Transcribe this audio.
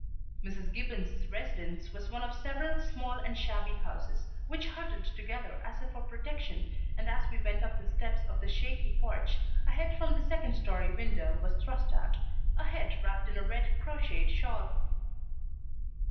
Mrs. Gibbons's residence was one of several small and shabby houses which huddled together as if for protection, and as we went up the steps of the shaky porch a head from the second story window was thrust out a head wrapped in a red crocheted shawl.